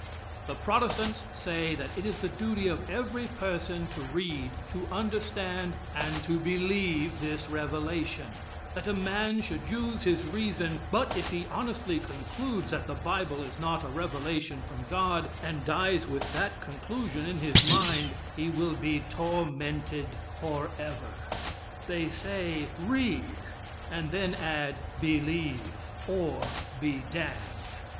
The Protestants say that it is the duty of every person to read, to understand, and to believe this revelation that a man should use his reason; but if he honestly concludes that the Bible is not a revelation from God, and dies with that conclusion in his mind, he will be tormented forever. They say: "Read," and then add: "Believe, or be damned."